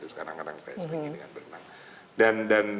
sekarang kadang saya sering ini kan berenang dan